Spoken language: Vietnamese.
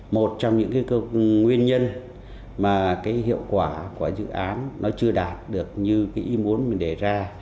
một trong những nguyên nhân mà hiệu quả của dự án nó chưa đạt được như ý muốn mình để ra